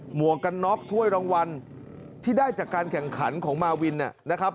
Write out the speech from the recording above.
วกกันน็อกถ้วยรางวัลที่ได้จากการแข่งขันของมาวินนะครับ